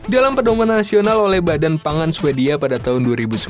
dalam pendongan nasional oleh badan pangan sweden pada tahun dua ribu sembilan belas